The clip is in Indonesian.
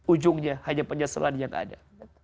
ujungnya hanya penyesalan yang ada